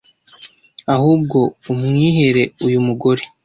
Ahubwo umwihere uyu mugore